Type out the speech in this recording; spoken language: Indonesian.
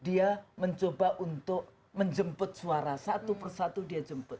dia mencoba untuk menjemput suara satu persatu dia jemput